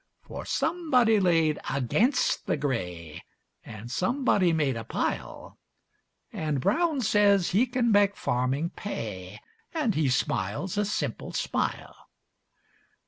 For somebody laid against the gray, And somebody made a pile; And Brown says he can make farming pay, And he smiles a simple smile.